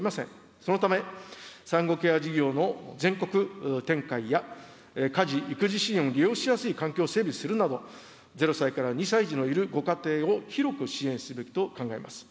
そのため、産後ケア事業の全国展開や、家事、育児支援を利用しやすい環境整備するなど、０歳から２歳児のいるご家庭を広く支援すべきと考えます。